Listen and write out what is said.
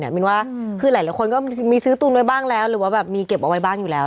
มินว่าคือหลายคนก็มีซื้อตุนไว้บ้างแล้วหรือว่าแบบมีเก็บเอาไว้บ้างอยู่แล้ว